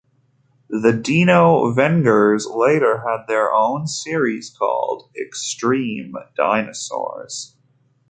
The Dino Vengers later had their own series called "Extreme Dinosaurs".